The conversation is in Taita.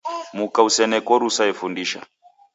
Muka useneko rusa efundisha